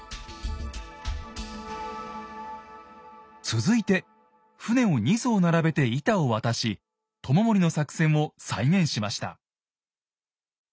続いて船を２艘並べて板を渡し知盛の作戦を再現しました。